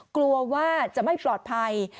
กลัวว่าจะไม่ปลอดภัย